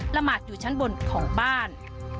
หมาดอยู่ชั้นบนของบ้าน